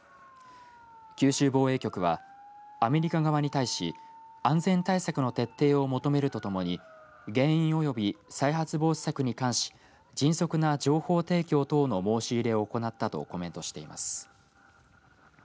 九州防衛局はアメリカ側に対し安全対策の徹底を求めるとともに原因及び再発防止策に関し迅速な情報提供等の申し入れを行ったとコメントしています。